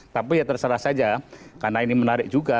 tapi ya terserah saja karena ini menarik juga